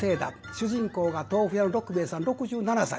主人公が豆腐屋の六兵衛さん６７歳。